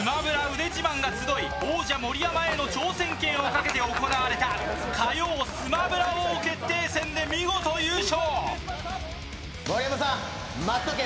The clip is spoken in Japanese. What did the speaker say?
腕自慢が集い、王者・盛山への挑戦権をかけて行われた「火曜スマブラ王決定戦」で見事優勝。